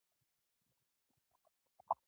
شیخ لمونځ او روژه کوي.